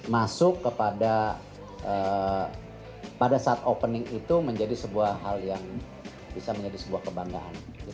masuk kepada pada saat opening itu menjadi sebuah hal yang bisa menjadi sebuah kebanggaan